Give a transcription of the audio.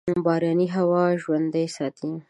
باراني هوا ژوندي ساتي.